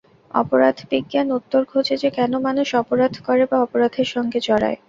অপরাধবিজ্ঞান উত্তর খোঁজে যে কেন মানুষ অপরাধ করে বা অপরাধের সঙ্গে জড়ায়?